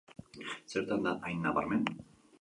Zertan da hain nabarmen?